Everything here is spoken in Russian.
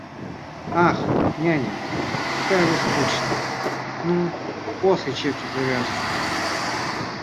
Ах, няня, какая вы скучная, ну, после чепчик завяжете!